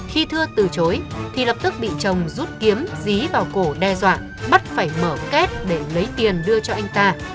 khi thưa từ chối thì lập tức bị chồng rút kiếm dí vào cổ đe dọa bắt phải mở két để lấy tiền đưa cho anh ta